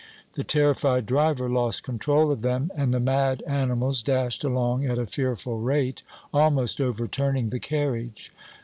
The terrified driver lost control of them, and the mad animals dashed along at a fearful rate, almost overturning the carriage.